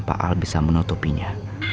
pak al bisa menutupinya